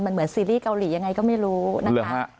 มันเหมือนซีรีส์เกาหลียังไงก็ไม่รู้นะคะ